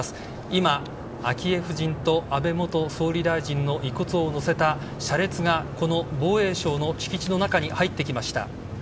今、昭恵夫人と安倍元総理大臣の遺骨を載せた車列が、この防衛省の敷地の中に入ってきました。